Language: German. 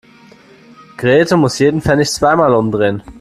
Grete muss jeden Pfennig zweimal umdrehen.